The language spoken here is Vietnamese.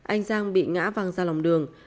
anh giang bị ngã vàng ra lòng đường